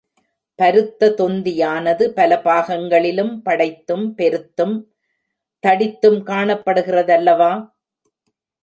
பருத்த தொந்தியானது பல பாகங்களிலும் படைத்தும், பெருத்தும், தடித்தும் காணப்படுகிறதல்லவா?